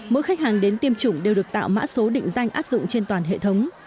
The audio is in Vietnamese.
mỗi khách hàng đến tiêm chủng đều được tạo mã số định danh áp dụng trên toàn hệ thống